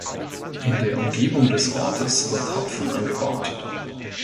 In der Umgebung des Ortes wird Hopfen angebaut.